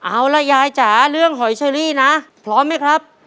เอาล่ะยายจ๋าเรื่องหอยเชอรี่นะพร้อมไหมครับ